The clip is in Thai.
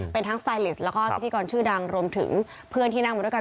เป็นทั้งสไตลิสแล้วก็พิธีกรชื่อดังรวมถึงเพื่อนที่นั่งมาด้วยกัน